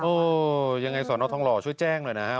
ยังไงสอนอทองหล่อช่วยแจ้งหน่อยนะฮะ